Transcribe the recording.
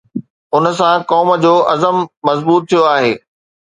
ان سان قوم جو عزم مضبوط ٿيو آهي.